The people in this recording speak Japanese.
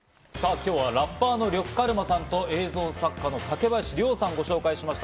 今日はラッパーの呂布カルマさんと映像作家の竹林亮さんをご紹介しました。